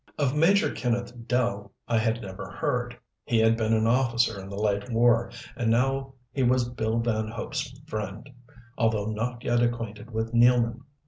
Of Major Kenneth Dell I had never heard. He had been an officer in the late war, and now he was Bill Van Hope's friend, although not yet acquainted with Nealman.